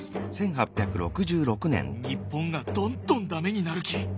日本がどんどん駄目になるき。